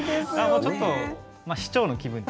ちょっと市長の気分で。